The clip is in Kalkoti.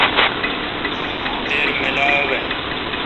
دیر میلا۔